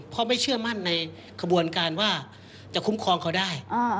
เพราะไม่เชื่อมั่นในขบวนการว่าจะคุ้มครองเขาได้